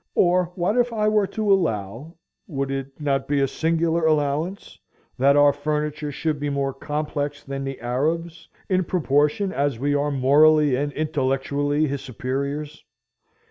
Or what if I were to allow—would it not be a singular allowance?—that our furniture should be more complex than the Arab's, in proportion as we are morally and intellectually his superiors!